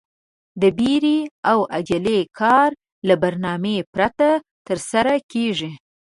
د بيړې او عجلې کار له برنامې پرته ترسره کېږي.